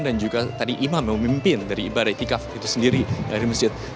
dan juga tadi imam yang memimpin dari ibadah itikaf itu sendiri dari masjid